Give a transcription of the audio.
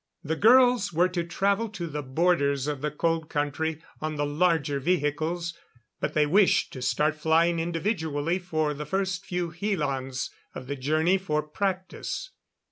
The girls were to travel to the borders of the Cold Country on the larger vehicles, but they wished to start flying individually for the first few helans of the journey for practice.